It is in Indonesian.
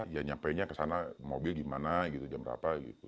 ya nyapainya ke sana mobil di mana jam berapa